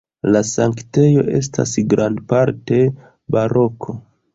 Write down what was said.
La sanktejo estas grandparte baroko.